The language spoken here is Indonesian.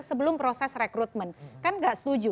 sebelum proses rekrutmen kan nggak setuju